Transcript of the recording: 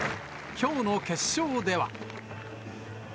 きょうの決勝では。